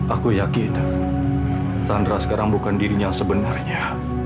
aku yakin sandra sekarang bukan dirinya sebenarnya